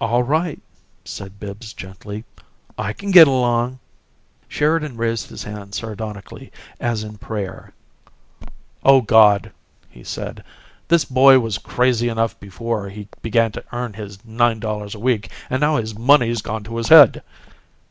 "All right," said Bibbs, gently. "I can get along." Sheridan raised his hands sardonically, as in prayer. "O God," he said, "this boy was crazy enough before he began to earn his nine dollars a week, and now his money's gone to his head!